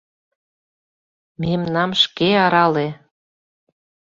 Мемнам шке арале!